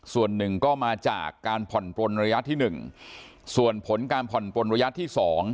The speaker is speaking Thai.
ส่วนหนึ่งก็มาจากการผ่อนปลนระยะที่๑ส่วนผลการผ่อนปนระยะที่๒